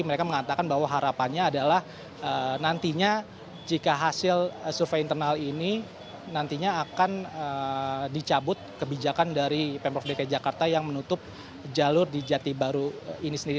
mereka mengatakan bahwa harapannya adalah nantinya jika hasil survei internal ini nantinya akan dicabut kebijakan dari pemprov dki jakarta yang menutup jalur di jati baru ini sendiri